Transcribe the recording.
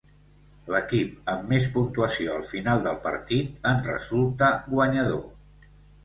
L'equip amb més puntuació al final del partit en resulta guanyador.